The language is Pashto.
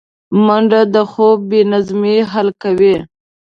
منډه د خوب بې نظمۍ حل کوي